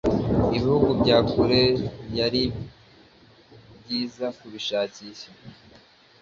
Ibihugu bya kure yari byiza kubishakisha